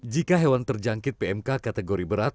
jika hewan terjangkit pmk kategori berat